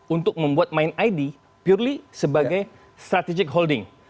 untuk membuat main id purely sebagai strategic holding